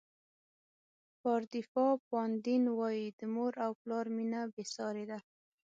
پاردیفا پاندین وایي د مور او پلار مینه بې سارې ده.